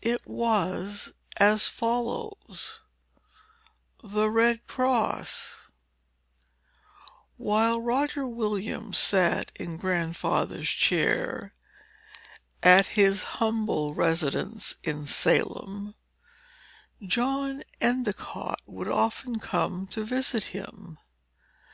It was as follows: THE RED CROSS While Roger Williams sat in Grandfather's chair, at his humble residence in Salem, John Endicott would often come to visit him.